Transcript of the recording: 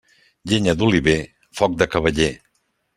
Llenya d'oliver, foc de cavaller.